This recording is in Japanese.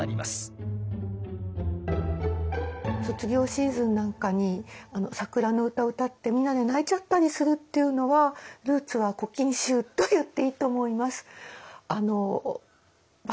卒業シーズンなんかに桜の歌歌ってみんなで泣いちゃったりするっていうのはルーツは「古今集」といっていいと思います。